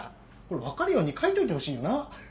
分かるように書いといてほしいよな。